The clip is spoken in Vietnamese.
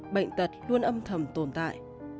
bệnh tật luôn âm thầm tồn tại